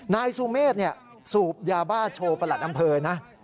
นายสุเมฆสูบยาบ้าโชว์ประหลัดอำเภอนะ